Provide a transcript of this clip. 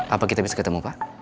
apa kita bisa ketemu pak